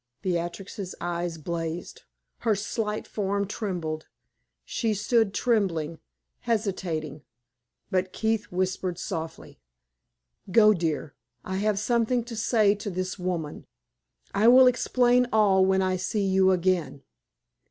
Beatrix's eyes blazed; her slight form trembled; she stood trembling, hesitating. But Keith whispered softly: "Go, dear; I have something to say to this woman. I will explain all when I see you again.